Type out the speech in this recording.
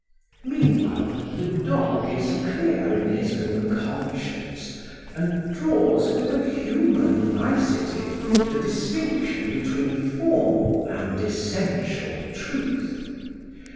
Meanwhile the dog is clear in his own conscience, and draws, with a human nicety, the distinction between formal and essential truth.